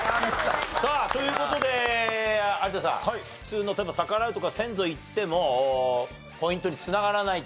さあという事で有田さん普通の例えば逆らうとか先祖いってもポイントに繋がらないと。